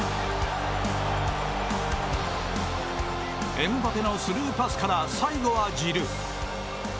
エムバペのスルーパスから最後はジルー。